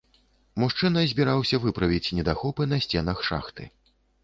Мужчына збіраўся выправіць недахопы на сценах шахты.